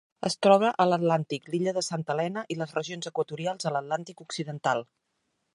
Es troba a l'Atlàntic: l'illa de Santa Helena i les regions equatorials de l'Atlàntic occidental.